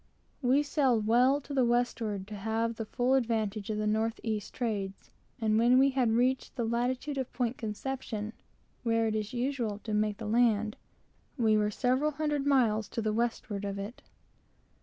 We sailed well to the westward to have the full advantage of the north east trades, and when we had reached the latitude of Point Conception, where it is usual to make the land, we were several hundred miles to the westward of it.